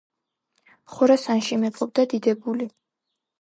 ხორასანში მეფობდა დიდებული